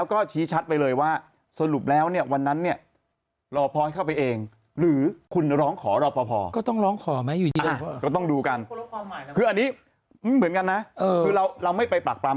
เขาบอกว่าเคยมากันบ่อยเป็นที่จอดประจำ